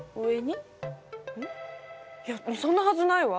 いやそんなハズないわ！